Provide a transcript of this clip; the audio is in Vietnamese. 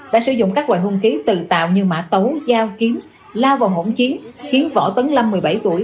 đã sử dụng các loại hung khí tự tạo như mã tấu dao kiếm lao vào hỗn chiến khiến võ tấn lâm một mươi bảy tuổi